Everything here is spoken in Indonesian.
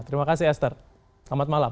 terima kasih esther selamat malam